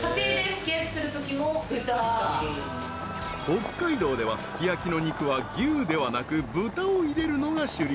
［北海道ではすき焼きの肉は牛ではなく豚を入れるのが主流］